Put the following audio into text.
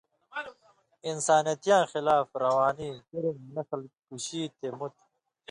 اِنسانیتیاں خلاف ورانی (جرم)، نسل کُشی تے مُت۔